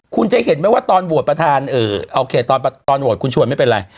คุณจะเห็นไหมว่าตอนโหวตประธานโอเคตอนโหวตคุณชวนไม่เป็นไร